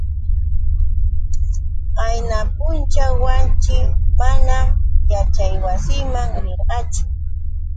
Qayna punćhaw Wanshi manam yaćhaywasiman rirqachu.